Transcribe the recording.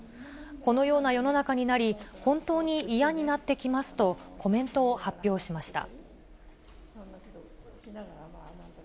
このような世の中になり、本当に嫌になってきますと、コメントを発表しました。